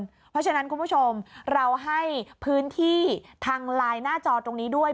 เพราะฉะนั้นคุณผู้ชมเราให้พื้นที่ทางไลน์หน้าจอตรงนี้ด้วย